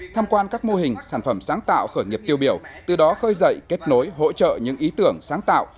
tham quan các mô hình sản phẩm sáng tạo khởi nghiệp tiêu biểu từ đó khơi dậy kết nối hỗ trợ những ý tưởng sáng tạo